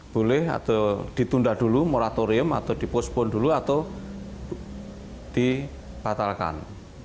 boleh atau ditunda dulu moratorium atau dipospon dulu atau dibatalkan